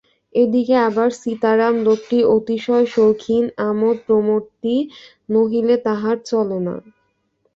এদিকে আবার সীতারাম লোকটি অতিশয় সৌখিন, আমোদ প্রমোদটি নহিলে তাহার চলে না।